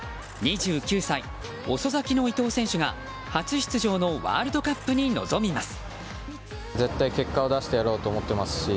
２９歳、遅咲きの伊東選手が初出場のワールドカップに臨みます。